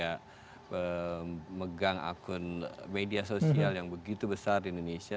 kita memegang akun media sosial yang begitu besar di indonesia